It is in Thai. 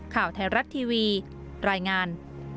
ข่าวไทยรัฐทีวีรายงาน